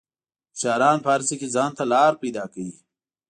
هوښیاران په هر څه کې ځان ته لار پیدا کوي.